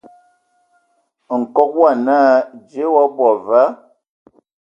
Nkɔg wɔ naa "Dze o abɔ va ?".